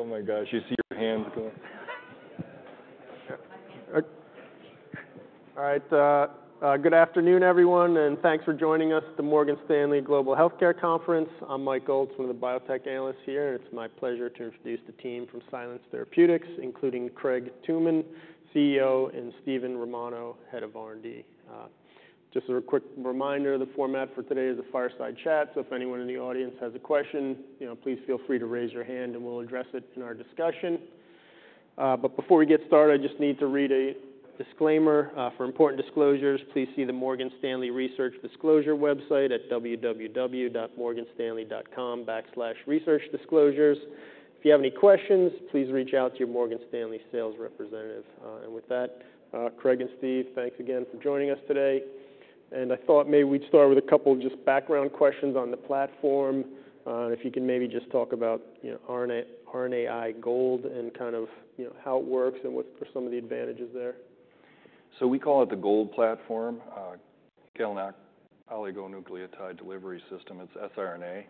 Oh, my gosh, you see your hands going? All right, good afternoon, everyone, and thanks for joining us at the Morgan Stanley Global Healthcare Conference. I'm Mike Goldstein, the biotech analyst here, and it's my pleasure to introduce the team from Silence Therapeutics, including Craig Tooman, CEO, and Steven Romano, head of R&D. Just a quick reminder, the format for today is a fireside chat, so if anyone in the audience has a question, you know, please feel free to raise your hand and we'll address it in our discussion. But before we get started, I just need to read a disclaimer. "For important disclosures, please see the Morgan Stanley research disclosure website at www.morganstanley.com/researchdisclosures. If you have any questions, please reach out to your Morgan Stanley sales representative." And with that, Craig and Steve, thanks again for joining us today. And I thought maybe we'd start with a couple of just background questions on the platform. If you can maybe just talk about, you know, RNA, RNAi GOLD, and kind of, you know, how it works and what are some of the advantages there. So we call it the GOLD Platform, GalNAc oligonucleotide delivery system. It's siRNA.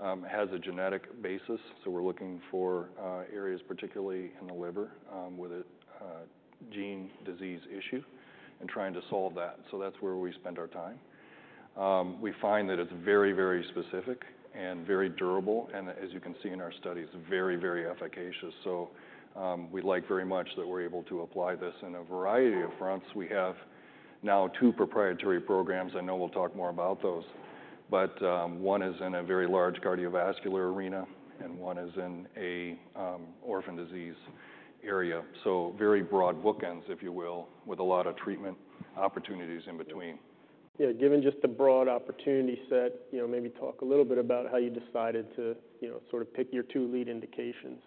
It has a genetic basis, so we're looking for areas, particularly in the liver, with a gene disease issue and trying to solve that. So that's where we spend our time. We find that it's very, very specific and very durable, and as you can see in our studies, very, very efficacious. So, we like very much that we're able to apply this in a variety of fronts. We have now two proprietary programs, I know we'll talk more about those, but, one is in a very large cardiovascular arena and one is in a orphan disease area. So very broad bookends, if you will, with a lot of treatment opportunities in between. Yeah. Given just the broad opportunity set, you know, maybe talk a little bit about how you decided to, you know, sort of pick your two lead indications.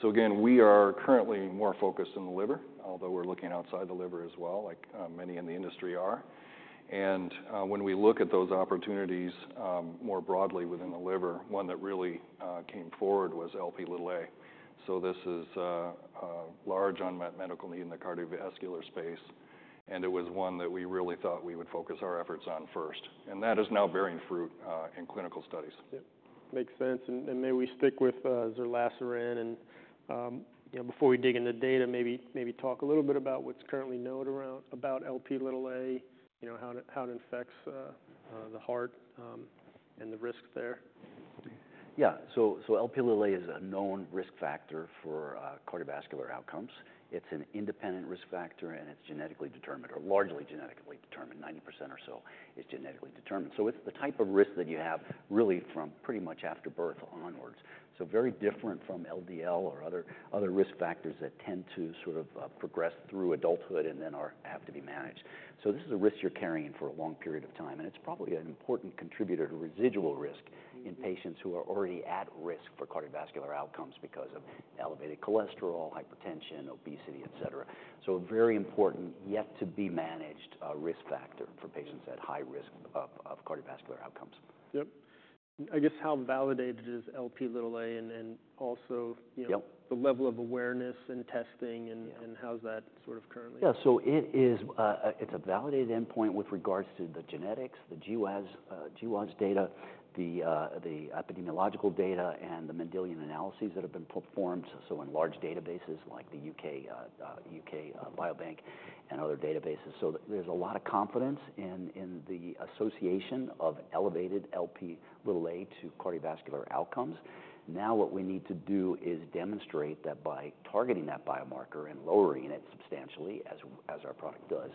So again, we are currently more focused on the liver, although we're looking outside the liver as well, like, many in the industry are. And, when we look at those opportunities, more broadly within the liver, one that really came forward was Lp(a). So this is a large unmet medical need in the cardiovascular space, and it was one that we really thought we would focus our efforts on first, and that is now bearing fruit in clinical studies. Yep, makes sense, and may we stick with zerlasiran, you know, before we dig into the data, maybe talk a little bit about what's currently known about Lp(a), you know, how it affects the heart, and the risks there. Yeah. So, so Lp(a) is a known risk factor for cardiovascular outcomes. It's an independent risk factor, and it's genetically determined or largely genetically determined. 90% or so is genetically determined. So it's the type of risk that you have really from pretty much after birth onwards, so very different from LDL or other risk factors that tend to sort of progress through adulthood and then have to be managed. So this is a risk you're carrying for a long period of time, and it's probably an important contributor to residual risk in patients who are already at risk for cardiovascular outcomes because of elevated cholesterol, hypertension, obesity, et cetera. So a very important, yet to be managed, risk factor for patients at high risk of cardiovascular outcomes. Yep. I guess how validated is Lp(a) and then also, you know- Yep The level of awareness in testing, and- Yeah and how's that sort of currently? Yeah, so it is. It's a validated endpoint with regards to the genetics, the GWAS, GWAS data, the epidemiological data, and the Mendelian analyses that have been performed, so in large databases like the UK Biobank and other databases. So there's a lot of confidence in the association of elevated Lp(a) to cardiovascular outcomes. Now, what we need to do is demonstrate that by targeting that biomarker and lowering it substantially, as our product does,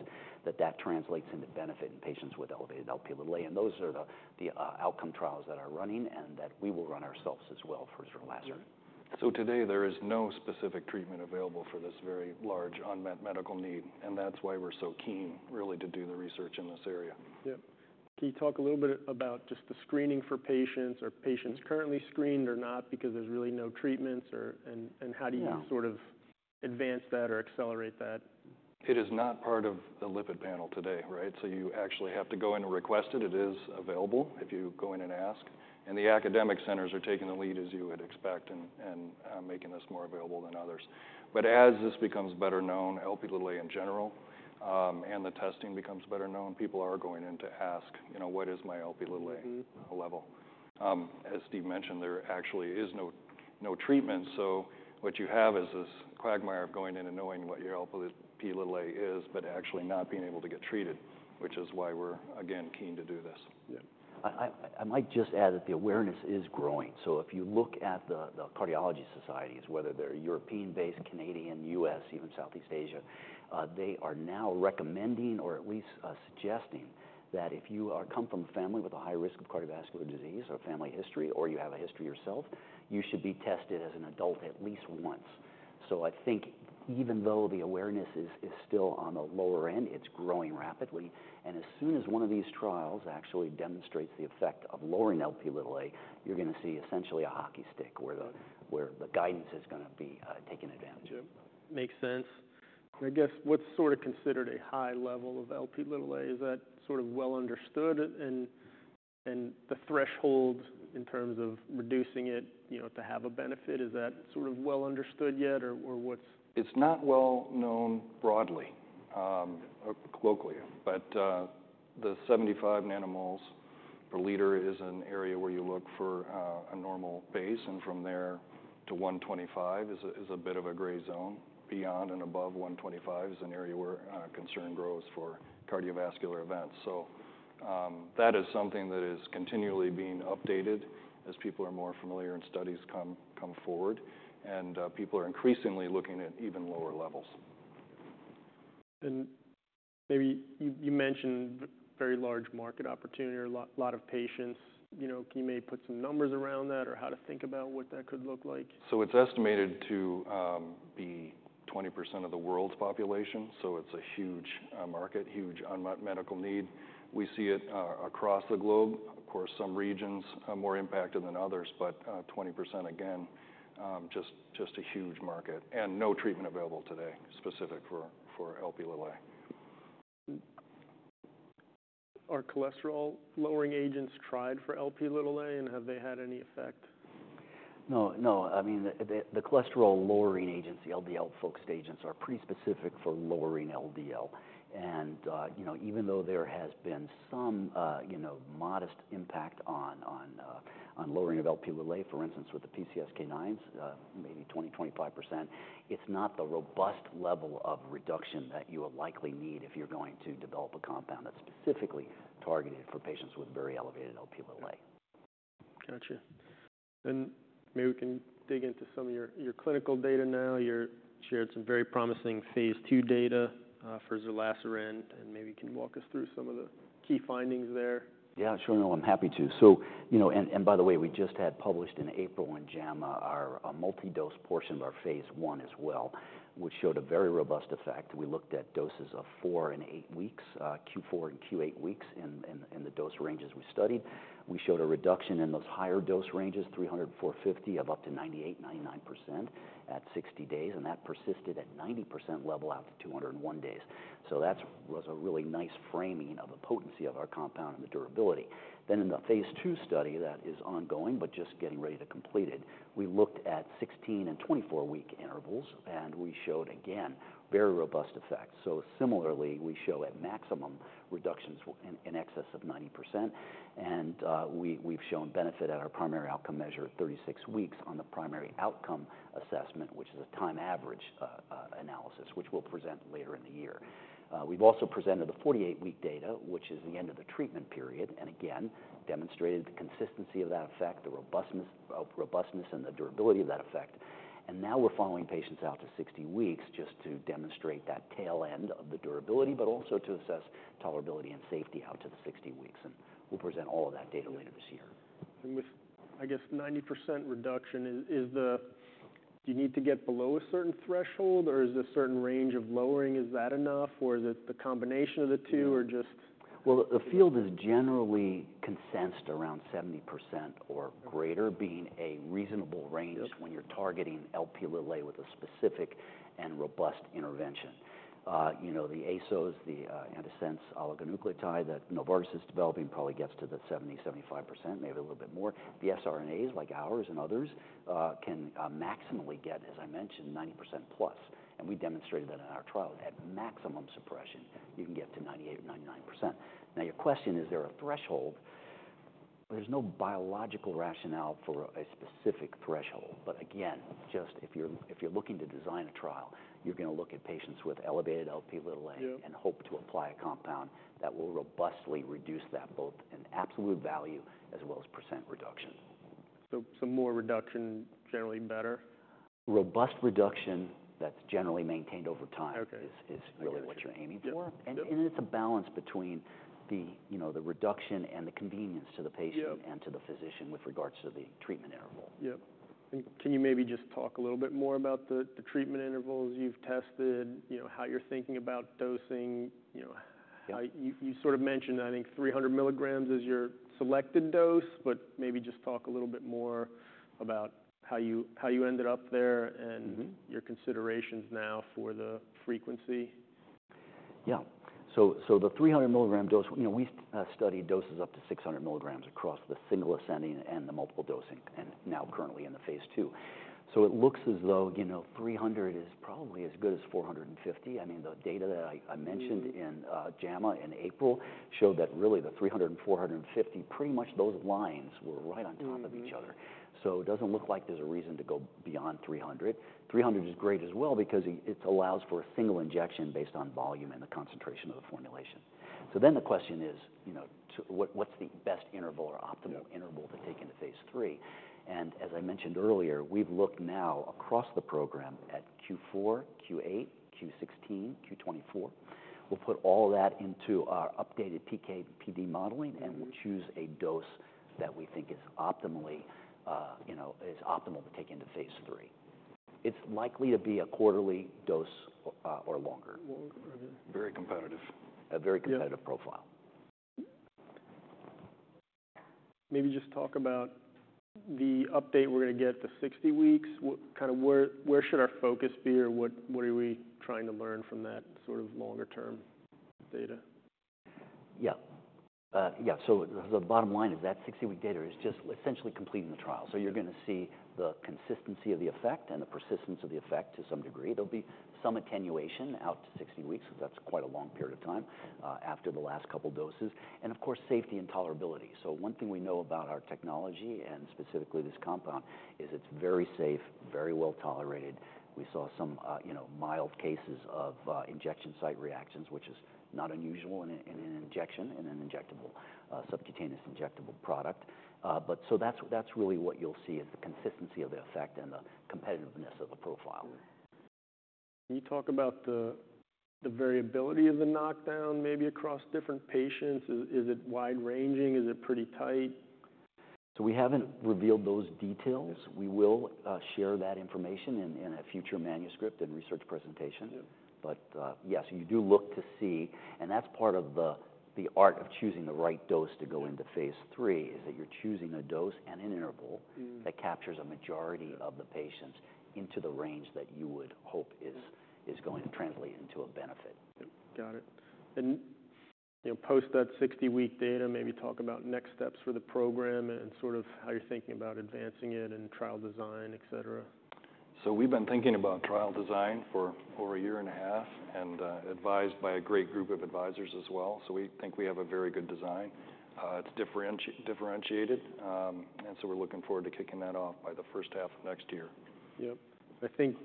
that that translates into benefiting patients with elevated Lp(a). And those are the outcome trials that are running and that we will run ourselves as well for zerlasiran. Yep. So today, there is no specific treatment available for this very large unmet medical need, and that's why we're so keen really to do the research in this area. Yep. Can you talk a little bit about just the screening for patients, or patients currently screened or not, because there's really no treatments or... And how do you- Yeah Sort of advance that or accelerate that? It is not part of the lipid panel today, right? So you actually have to go in and request it. It is available if you go in and ask, and the academic centers are taking the lead, as you would expect, and making this more available than others. But as this becomes better known, Lp(a) in general, and the testing becomes better known, people are going in to ask, "You know, what is my Lp(a) level? Mm-hmm. As Steve mentioned, there actually is no, no treatment, so what you have is this quagmire of going in and knowing what your Lp is, but actually not being able to get treated, which is why we're, again, keen to do this. Yeah. I might just add that the awareness is growing. So if you look at the cardiology societies, whether they're European-based, Canadian, US, even Southeast Asia, they are now recommending, or at least, suggesting, that if you are come from a family with a high risk of cardiovascular disease or family history, or you have a history yourself, you should be tested as an adult at least once. So I think even though the awareness is still on the lower end, it's growing rapidly, and as soon as one of these trials actually demonstrates the effect of lowering Lp(a), you're gonna see essentially a hockey stick, where the guidance is gonna be taken advantage of. Yep. Makes sense. I guess, what's sort of considered a high level of Lp(a)? Is that sort of well understood? And the threshold in terms of reducing it, you know, to have a benefit, is that sort of well understood yet or, or what's- It's not well known broadly, colloquially, but the 75 nanomoles per liter is an area where you look for a normal base, and from there to 125 is a bit of a gray zone. Beyond and above 125 is an area where concern grows for cardiovascular events. So that is something that is continually being updated as people are more familiar and studies come forward, and people are increasingly looking at even lower levels. Maybe you mentioned a very large market opportunity or a lot of patients. You know, can you maybe put some numbers around that or how to think about what that could look like? So it's estimated to be 20% of the world's population, so it's a huge market, huge unmet medical need. We see it across the globe. Of course, some regions are more impacted than others, but 20%, again, just a huge market and no treatment available today, specific for Lp(a). Are cholesterol-lowering agents tried for Lp(a), and have they had any effect? No, no. I mean, the cholesterol-lowering agents, the LDL-focused agents, are pretty specific for lowering LDL. And, you know, even though there has been some, you know, modest impact on lowering of Lp(a), for instance, with the PCSK9s, maybe 20%-25%, it's not the robust level of reduction that you will likely need if you're going to develop a compound that's specifically targeted for patients with very elevated Lp(a). Gotcha, then maybe we can dig into some of your clinical data now. You've shared some very promising Phase 2 data for zerlasiran, and maybe you can walk us through some of the key findings there. Yeah, sure. No, I'm happy to. So, you know, and by the way, we just had published in April in JAMA our multi-dose portion of our Phase 1 as well, which showed a very robust effect. We looked at doses of four and eight weeks, Q4 and Q8 weeks, in the dose ranges we studied. We showed a reduction in those higher dose ranges, 300-450, of up to 98%-99% at 60 days, and that persisted at 90% level out to 201 days. So that was a really nice framing of the potency of our compound and the durability. Then in the Phase 2 study, that is ongoing, but just getting ready to complete it, we looked at 16- and 24-week intervals, and we showed, again, very robust effects. Similarly, we show maximum reductions in excess of 90%, and we've shown benefit at our primary outcome measure at 36 weeks on the primary outcome assessment, which is a time average analysis, which we'll present later in the year. We've also presented the 48-week data, which is the end of the treatment period, and again demonstrated the consistency of that effect, the robustness and the durability of that effect. Now we're following patients out to 60 weeks just to demonstrate that tail end of the durability, but also to assess tolerability and safety out to the 60 weeks, and we'll present all of that data later this year. With, I guess, 90% reduction, is the. Do you need to get below a certain threshold, or is a certain range of lowering, is that enough, or is it the combination of the two, or just- The field is generally consensus around 70% or greater being a reasonable range- Yep When you're targeting Lp with a specific and robust intervention. You know, the ASOs, antisense oligonucleotide that Novartis is developing, probably gets to the 70%-75%, maybe a little bit more. The siRNAs, like ours and others, can maximally get, as I mentioned, 90%+, and we demonstrated that in our trial. At maximum suppression, you can get to 98% or 99%. Now, your question, is there a threshold? There's no biological rationale for a specific threshold, but again, just if you're looking to design a trial, you're gonna look at patients with elevated Lp - Yeah And hope to apply a compound that will robustly reduce that, both in absolute value as well as % reduction. So, more reduction, generally better? Robust reduction that's generally maintained over time. Okay Is really what you're aiming for. Yep, yep. It's a balance between the, you know, the reduction and the convenience to the patient- Yep And to the physician with regards to the treatment interval. Yep. Can you maybe just talk a little bit more about the treatment intervals you've tested, you know, how you're thinking about dosing? You know- Yep How you sort of mentioned, I think, three hundred milligrams is your selected dose, but maybe just talk a little bit more about how you ended up there and- Mm-hmm Your considerations now for the frequency. Yeah. So the three hundred milligram dose, you know, we studied doses up to six hundred milligrams across the single ascending and the multiple dosing, and now currently in the Phase 2. So it looks as though, you know, three hundred is probably as good as four hundred and fifty. I mean, the data that I mentioned- Mm-hmm In JAMA in April showed that really the three hundred and four hundred and fifty, pretty much those lines were right on- Mm-hmm Top of each other. So it doesn't look like there's a reason to go beyond three hundred. Three hundred is great as well because it allows for a single injection based on volume and the concentration of the formulation. So then the question is, you know, what, what's the best interval or optimal- Yep Interval to take into Phase 3? And as I mentioned earlier, we've looked now across the program at Q4, Q8, Q16, Q24. We'll put all that into our updated PK/PD modeling. Mm-hmm And we'll choose a dose that we think is optimally, you know, is optimal to take into Phase 3. It's likely to be a quarterly dose, or longer. Longer, okay. Very competitive. A very competitive- Yeah Profile. Maybe just talk about the update we're gonna get to sixty weeks. Kind of where should our focus be, or what are we trying to learn from that sort of longer-term data? Yeah. Yeah, so the bottom line is that sixty-week data is just essentially completing the trial. So you're gonna see the consistency of the effect and the persistence of the effect to some degree. There'll be some attenuation out to sixty weeks, 'cause that's quite a long period of time after the last couple doses, and of course, safety and tolerability. So one thing we know about our technology, and specifically this compound, is it's very safe, very well tolerated. We saw some, you know, mild cases of injection site reactions, which is not unusual in an injectable subcutaneous product. But so that's really what you'll see, is the consistency of the effect and the competitiveness of the profile. Can you talk about the variability of the knockdown, maybe across different patients? Is it wide ranging? Is it pretty tight? We haven't revealed those details. Yes. We will share that information in a future manuscript and research presentation. Yeah. But, yes, you do look to see... And that's part of the art of choosing the right dose to go- Yeah Into Phase 3, is that you're choosing a dose and an interval? Mm That captures a majority of the patients into the range that you would hope is Yeah Is going to translate into a benefit. Yep, got it, and you know, post that sixty-week data, maybe talk about next steps for the program and sort of how you're thinking about advancing it, and trial design, et cetera. So we've been thinking about trial design for over a year and a half, and, advised by a great group of advisors as well. So we think we have a very good design. It's differentiated, and so we're looking forward to kicking that off by the first half of next year. Yep. I think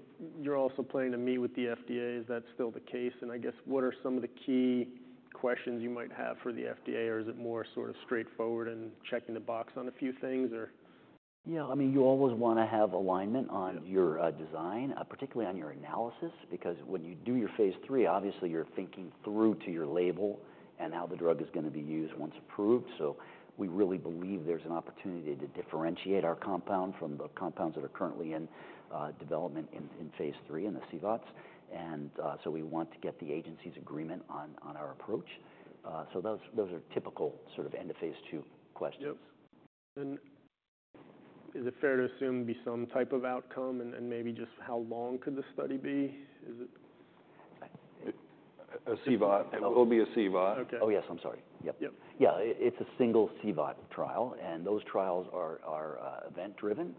you're also planning to meet with the FDA. Is that still the case? And I guess, what are some of the key questions you might have for the FDA, or is it more sort of straightforward and checking the box on a few things, or? Yeah, I mean, you always wanna have alignment on- Yep your design, particularly on your analysis. Because when you do your Phase 3, obviously, you're thinking through to your label and how the drug is gonna be used once approved. So we really believe there's an opportunity to differentiate our compound from the compounds that are currently in development in Phase 3, in the CVOTs. And so we want to get the agency's agreement on our approach. So those are typical sort of end-of-Phase 2 questions. Yep. Then, is it fair to assume there'll be some type of outcome, and maybe just how long could the study be? Is it- A CVOT. It will be a CVOT. Okay. Oh, yes, I'm sorry. Yep. Yep. Yeah, it's a single CVOT trial, and those trials are event driven.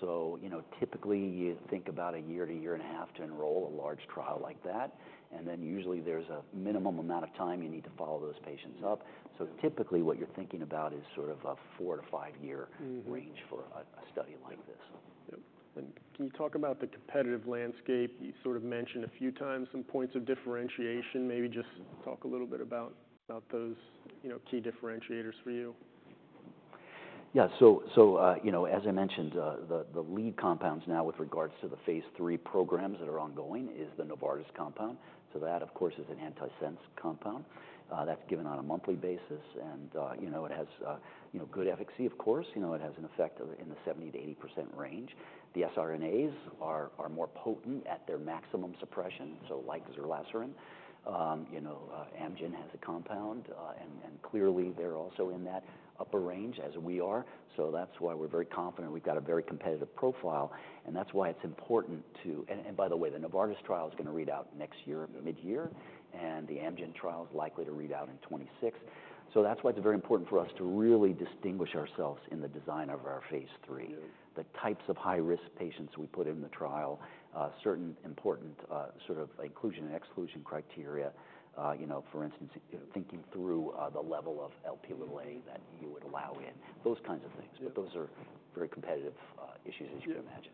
So you know, typically, you think about a year to a year and a half to enroll a large trial like that. And then usually, there's a minimum amount of time you need to follow those patients up. Mm-hmm. So typically, what you're thinking about is sort of a four- to five-year- Mm-hmm range for a study like this. Yep. And can you talk about the competitive landscape? You sort of mentioned a few times some points of differentiation. Maybe just talk a little bit about those, you know, key differentiators for you. Yeah. So you know, as I mentioned, the lead compounds now with regards to the Phase 3 programs that are ongoing is the Novartis compound. So that, of course, is an antisense compound. That's given on a monthly basis, and you know, it has you know, good efficacy, of course. You know, it has an effect of in the 70%-80% range. The siRNAs are more potent at their maximum suppression, so like zerlasiran. You know, Amgen has a compound, and clearly, they're also in that upper range, as we are. So that's why we're very confident we've got a very competitive profile, and that's why it's important to. By the way, the Novartis trial is gonna read out next year, midyear, and the Amgen trial is likely to read out in 2026. That's why it's very important for us to really distinguish ourselves in the design of our Phase 3. Yeah. The types of high-risk patients we put in the trial, certain important, sort of inclusion and exclusion criteria, you know, for instance, you know, thinking through, the level of Lp that you would allow in, those kinds of things. Yep. But those are very competitive issues, as you can imagine.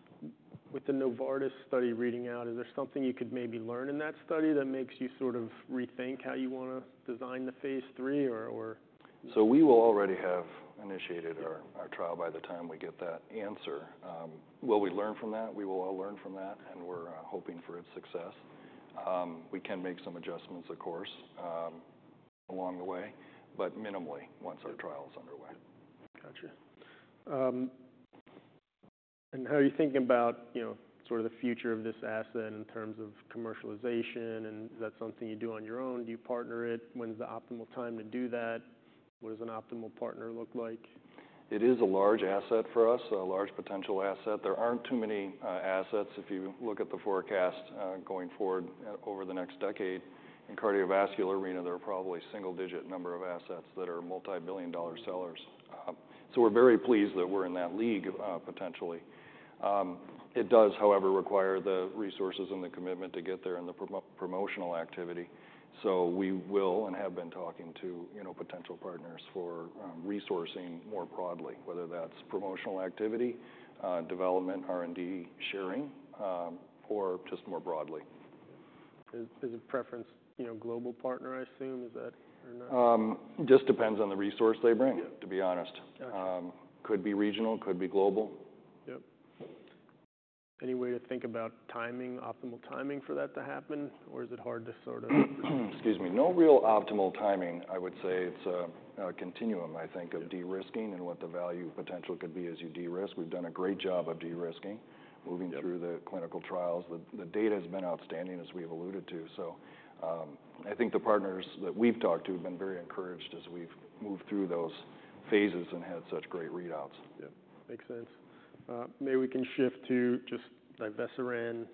With the Novartis study reading out, is there something you could maybe learn in that study that makes you sort of rethink how you wanna design the Phase 3, or, or? So we will already have initiated- Yeah Our trial by the time we get that answer. Will we learn from that? We will all learn from that, and we're hoping for its success. We can make some adjustments, of course, along the way, but minimally, once our trial is underway. Gotcha. And how are you thinking about, you know, sort of the future of this asset in terms of commercialization? And is that something you do on your own? Do you partner it? When's the optimal time to do that? What does an optimal partner look like? It is a large asset for us, a large potential asset. There aren't too many assets, if you look at the forecast, going forward, over the next decade. In cardiovascular arena, there are probably single-digit number of assets that are multi-billion dollar sellers. We're very pleased that we're in that league, potentially. It does, however, require the resources and the commitment to get there and the promotional activity. We will and have been talking to, you know, potential partners for resourcing more broadly, whether that's promotional activity, development, R&D sharing, or just more broadly. Is a preference, you know, global partner, I assume, is that, or not? Just depends on the resource they bring- Yeah To be honest. Gotcha. Could be regional, could be global. Yep. Any way to think about timing, optimal timing for that to happen, or is it hard to sort of- Excuse me. No real optimal timing. I would say it's a continuum, I think- Yeah Of de-risking and what the value potential could be as you de-risk. We've done a great job of de-risking. Yep Moving through the clinical trials. The data has been outstanding, as we've alluded to. So, I think the partners that we've talked to have been very encouraged as we've moved through those phases and had such great readouts. Yep, makes sense. Maybe we can shift to just divisiran.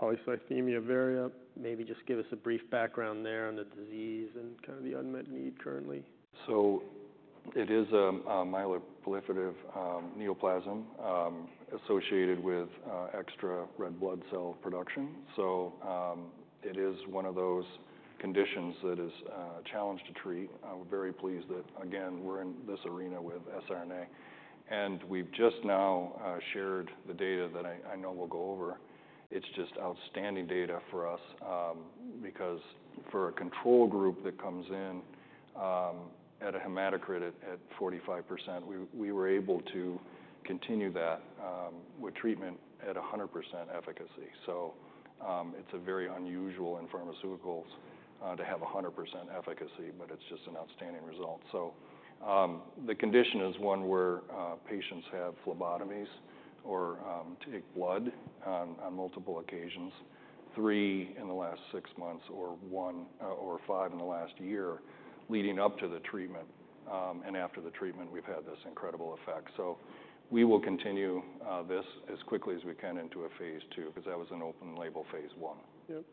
Polycythemia vera, maybe just give us a brief background there on the disease and kind of the unmet need currently. So it is a myeloproliferative neoplasm associated with extra red blood cell production. So it is one of those conditions that is a challenge to treat. We're very pleased that, again, we're in this arena with siRNA, and we've just now shared the data that I know we'll go over. It's just outstanding data for us, because for a control group that comes in at a hematocrit at 45%, we were able to continue that with treatment at 100% efficacy. So it's a very unusual in pharmaceuticals to have 100% efficacy, but it's just an outstanding result. So, the condition is one where patients have phlebotomies or take blood on multiple occasions, three in the last six months, or one or five in the last year, leading up to the treatment. And after the treatment, we've had this incredible effect. So we will continue this as quickly as we can into a Phase 2, 'cause that was an open label, Phase 1. Yep.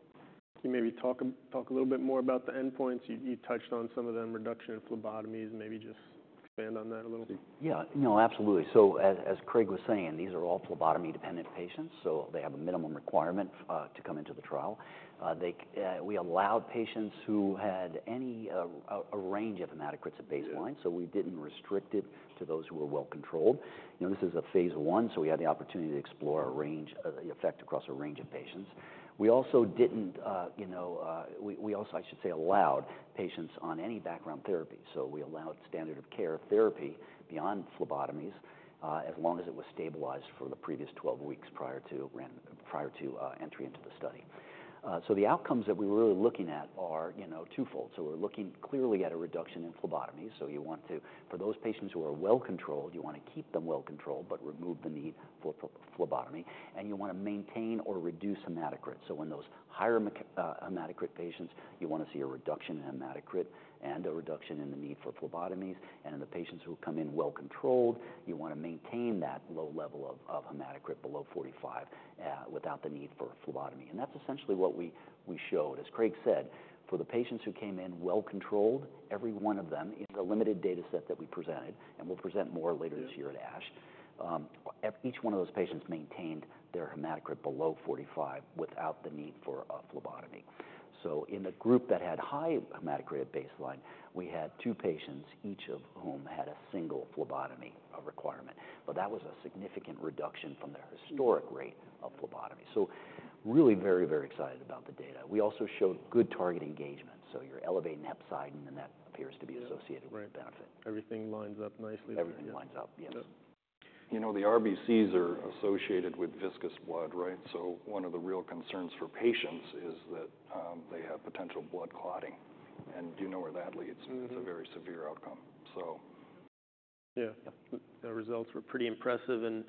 Can you maybe talk a little bit more about the endpoints? You touched on some of them, reduction in phlebotomies. Maybe just expand on that a little. Yeah. No, absolutely. So as Craig was saying, these are all phlebotomy-dependent patients, so they have a minimum requirement to come into the trial. We allowed patients who had any, a range of hematocrits at baseline. Yeah. So we didn't restrict it to those who were well-controlled. You know, this is a Phase 1, so we had the opportunity to explore a range, the effect across a range of patients. We also didn't, you know... We also, I should say, allowed patients on any background therapy, so we allowed standard of care therapy beyond phlebotomies, as long as it was stabilized for the previous twelve weeks prior to entry into the study. So the outcomes that we were really looking at are, you know, twofold. So we're looking clearly at a reduction in phlebotomy. So you want to, for those patients who are well-controlled, you wanna keep them well-controlled, but remove the need for phlebotomy, and you wanna maintain or reduce hematocrit. In those higher hematocrit patients, you wanna see a reduction in hematocrit and a reduction in the need for phlebotomies, and in the patients who come in well-controlled, you wanna maintain that low level of hematocrit below 45 without the need for a phlebotomy, and that's essentially what we showed. As Craig said, for the patients who came in well-controlled, every one of them in the limited data set that we presented, and we'll present more later. Yeah This year at ASH. Each one of those patients maintained their hematocrit below forty-five without the need for a phlebotomy. So in the group that had high hematocrit at baseline, we had two patients, each of whom had a single phlebotomy requirement, but that was a significant reduction from their historic- Yeah Rate of phlebotomy. So really very, very excited about the data. We also showed good target engagement, so you're elevating hepcidin, and that appears to be associated- Yeah With benefit. Everything lines up nicely. Everything lines up, yes. Yep. You know, the RBCs are associated with viscous blood, right? So one of the real concerns for patients is that, they have potential blood clotting, and you know where that leads. Mm-hmm. It's a very severe outcome, so... Yeah. The results were pretty impressive, and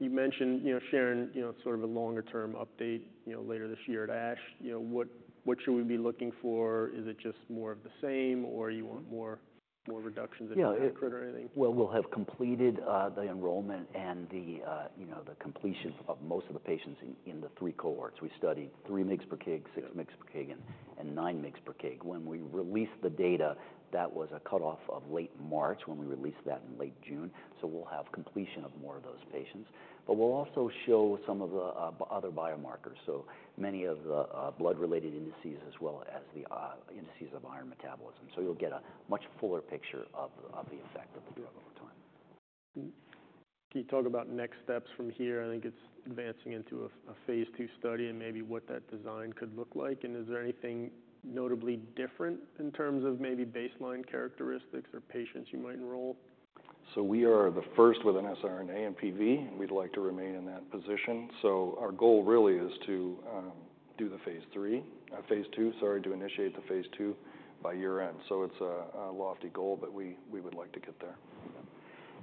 you mentioned, you know, sharing, you know, sort of a longer term update, you know, later this year at ASH. You know, what, what should we be looking for? Is it just more of the same, or you want more, more reductions in hematocrit or anything? We'll have completed the enrollment and the, you know, the completion of most of the patients in the three cohorts. We studied three mgs per kg- Yeah Six mgs per kg, and nine mgs per kg. When we released the data, that was a cutoff of late March, when we released that in late June, so we'll have completion of more of those patients. But we'll also show some of the other biomarkers, so many of the blood-related indices, as well as the indices of iron metabolism. So you'll get a much fuller picture of the effect of the drug over time. Can you talk about next steps from here? I think it's advancing into a Phase 2 study, and maybe what that design could look like, and is there anything notably different in terms of maybe baseline characteristics or patients you might enroll? We are the first with an siRNA and PV, and we'd like to remain in that position. Our goal really is to initiate the Phase 2 by year-end. It's a lofty goal, but we would like to get there.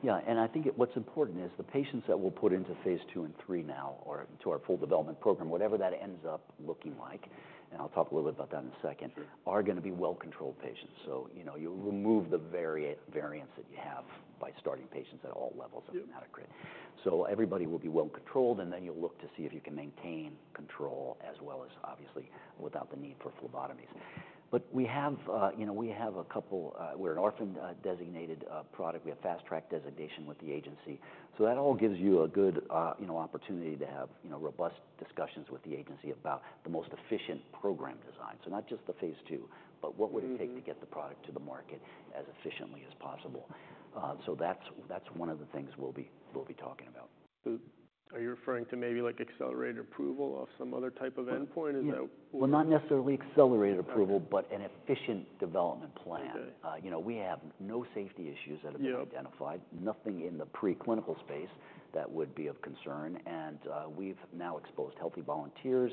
Yeah, and I think what's important is the patients that we'll put into Phase 2 and three now, or into our full development program, whatever that ends up looking like, and I'll talk a little bit about that in a second- Sure Are gonna be well-controlled patients. So, you know, you'll remove the variance that you have by starting patients at all levels of hematocrit. Yeah. So everybody will be well-controlled, and then you'll look to see if you can maintain control as well as, obviously, without the need for phlebotomies. But we have, you know, we have a couple. We're an orphan designated product. We have fast track designation with the agency. So that all gives you a good, you know, opportunity to have, you know, robust discussions with the agency about the most efficient program design. So not just the Phase 2- Mm-hmm But what would it take to get the product to the market as efficiently as possible? so that's one of the things we'll be talking about. So are you referring to maybe, like, accelerated approval or some other type of endpoint? Yeah. Is that what- Not necessarily accelerated approval- Okay But an efficient development plan. Okay. You know, we have no safety issues that have been- Yeah Identified, nothing in the preclinical space that would be of concern, and we've now exposed healthy volunteers,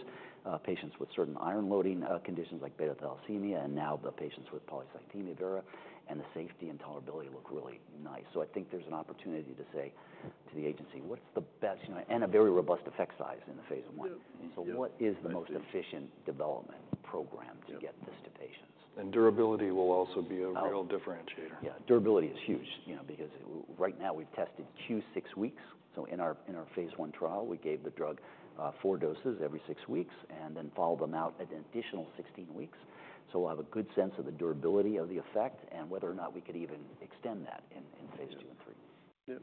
patients with certain iron loading conditions like beta thalassemia, and now the patients with polycythemia vera, and the safety and tolerability look really nice. So I think there's an opportunity to say to the agency, "What's the best..." You know, and a very robust effect size in the Phase 1. Yeah. Yeah. So what is the most- Right Efficient development program to get this to? And durability will also be a real differentiator. Yeah, durability is huge, you know, because right now we've tested Q six weeks. So in our Phase 1 trial, we gave the drug four doses every six weeks and then followed them out at an additional sixteen weeks. So we'll have a good sense of the durability of the effect and whether or not we could even extend that in- Yeah Phase 2 and 3. Yeah.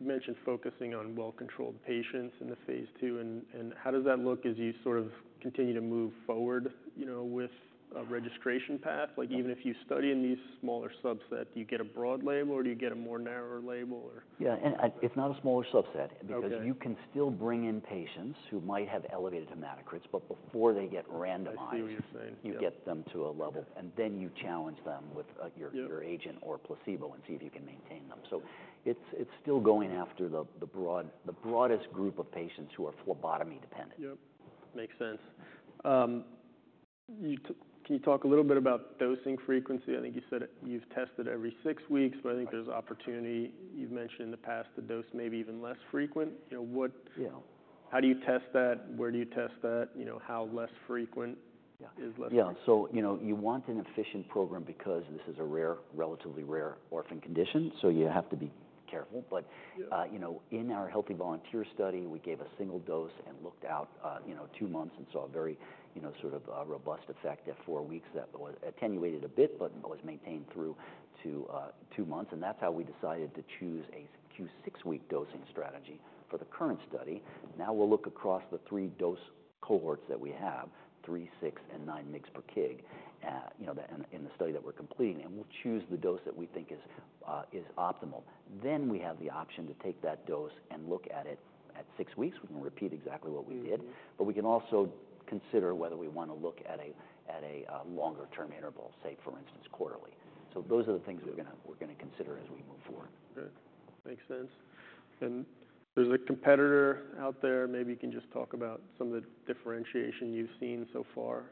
You mentioned focusing on well-controlled patients in the Phase 2, and how does that look as you sort of continue to move forward, you know, with a registration path? Like, even if you study in these smaller subset, do you get a broad label, or do you get a more narrower label, or? Yeah, and, it's not a smaller subset- Okay Because you can still bring in patients who might have elevated hematocrits, but before they get randomized- I see what you're saying, yeah. You get them to a level, and then you challenge them with, Yeah Your agent or placebo and see if you can maintain them. So it's still going after the broadest group of patients who are phlebotomy-dependent. Yep, makes sense. Can you talk a little bit about dosing frequency? I think you said you've tested every six weeks- Right But I think there's opportunity. You've mentioned in the past the dose may be even less frequent. You know, what- Yeah. How do you test that? Where do you test that? You know, how less frequent- Yeah Is less frequent? Yeah, so, you know, you want an efficient program because this is a rare, relatively rare orphan condition, so you have to be careful. Yeah. But you know, in our healthy volunteer study, we gave a single dose and looked out, you know, two months and saw a very, you know, sort of, robust effect at four weeks. That was attenuated a bit, but was maintained through to two months, and that's how we decided to choose a Q six-week dosing strategy for the current study. Now, we'll look across the three dose cohorts that we have, three, six, and nine mg per kg, you know, in the study that we're completing, and we'll choose the dose that we think is, is optimal. Then, we have the option to take that dose and look at it at six weeks. We can repeat exactly what we did- Mm-hmm But we can also consider whether we wanna look at a longer term interval, say, for instance, quarterly. So those are the things we're gonna consider as we move forward. Okay. Makes sense, and there's a competitor out there. Maybe you can just talk about some of the differentiation you've seen so far.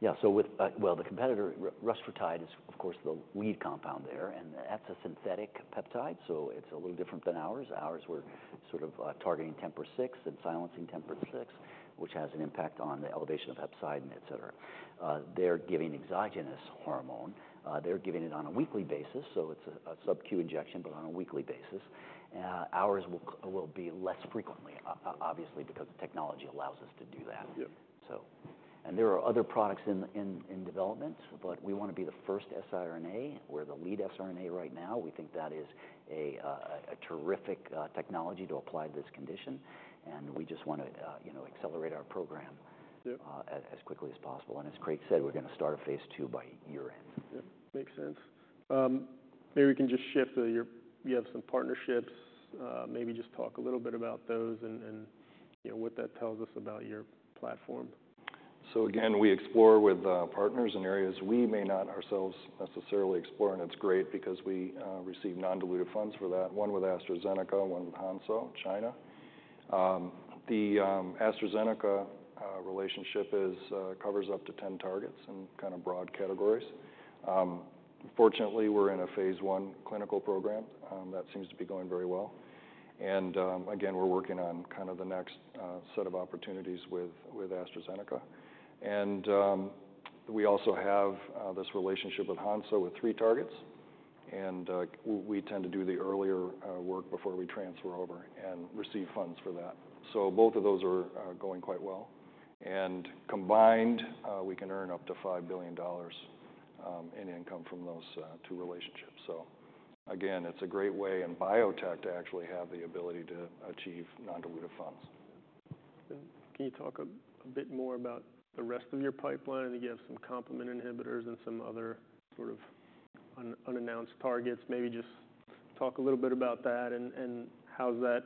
Yeah. So with. Well, the competitor, rusfertide, is, of course, the lead compound there, and that's a synthetic peptide, so it's a little different than ours. Ours were sort of targeting TMPRSS6 and silencing TMPRSS6, which has an impact on the elevation of hepcidin, et cetera. They're giving exogenous hormone. They're giving it on a weekly basis, so it's a sub-Q injection, but on a weekly basis. Ours will be less frequently, obviously, because the technology allows us to do that. Yeah. And there are other products in development, but we wanna be the first siRNA. We're the lead siRNA right now. We think that is a terrific technology to apply to this condition, and we just wanna, you know, accelerate our program. Yeah As quickly as possible, and as Craig said, we're gonna start a Phase 2 by year-end. Yep, makes sense. Maybe we can just shift. You have some partnerships. Maybe just talk a little bit about those and, you know, what that tells us about your platform. Again, we explore with partners in areas we may not ourselves necessarily explore, and it's great because we receive non-dilutive funds for that: one with AstraZeneca, one with Hansoh, China. The AstraZeneca relationship covers up to 10 targets in kinda broad categories. Fortunately, we're in a Phase 1 clinical program that seems to be going very well. Again, we're working on kind of the next set of opportunities with AstraZeneca. We also have this relationship with Hansoh, with three targets, and we tend to do the earlier work before we transfer over and receive funds for that. Both of those are going quite well, and combined, we can earn up to $5 billion in income from those two relationships. So again, it's a great way in biotech to actually have the ability to achieve non-dilutive funds. Can you talk a bit more about the rest of your pipeline? I think you have some complement inhibitors and some other sort of unannounced targets. Maybe just talk a little bit about that and how does that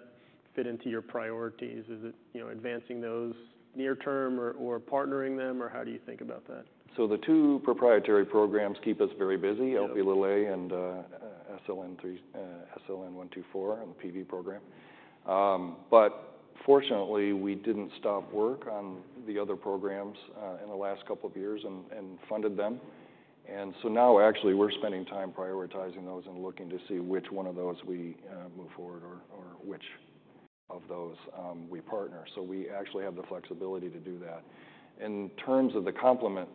fit into your priorities. Is it, you know, advancing those near term or partnering them, or how do you think about that? So the two proprietary programs keep us very busy- Yep Zerlasiran and SLN360, SLN124 and the PV program, but fortunately, we didn't stop work on the other programs in the last couple of years and funded them, and so now actually, we're spending time prioritizing those and looking to see which one of those we move forward or which of those we partner, so we actually have the flexibility to do that. In terms of the complement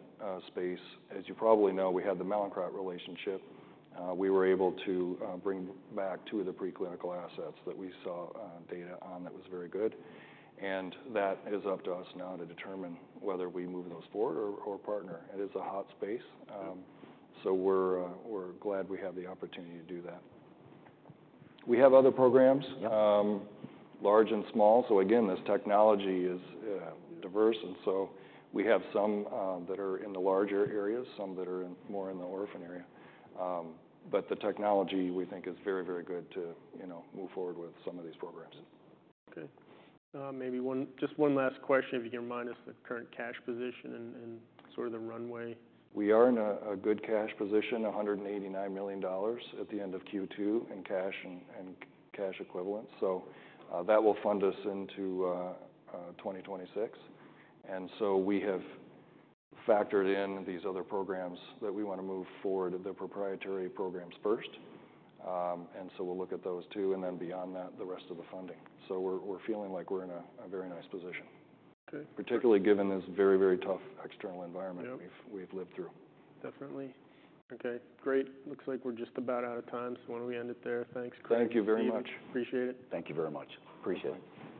space, as you probably know, we had the Mallinckrodt relationship. We were able to bring back two of the preclinical assets that we saw data on that was very good, and that is up to us now to determine whether we move those forward or partner. It is a hot space. Yep So we're glad we have the opportunity to do that. We have other programs- Yep Large and small. So again, this technology is diverse, and so we have some that are in the larger areas, some that are more in the orphan area. But the technology, we think, is very, very good to, you know, move forward with some of these programs. Okay. Maybe just one last question, if you can remind us the current cash position and sort of the runway. We are in a good cash position, $189 million at the end of Q2 in cash and cash equivalents. So, that will fund us into twenty twenty-six. And so we have factored in these other programs that we wanna move forward, the proprietary programs first. And so we'll look at those two, and then beyond that, the rest of the funding. So we're feeling like we're in a very nice position. Okay Particularly given this very, very tough external environment- Yep We've lived through. Definitely. Okay, great. Looks like we're just about out of time, so why don't we end it there? Thanks, Craig. Thank you very much. Steve, appreciate it. Thank you very much. Appreciate it.